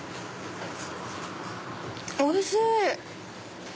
おいしい！